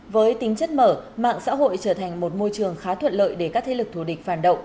với tính chất mở mạng xã hội trở thành một môi trường khá thuận lợi để các thế lực thù địch phản động